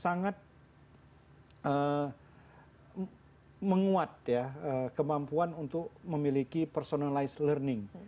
sangat menguat ya kemampuan untuk memiliki personalized learning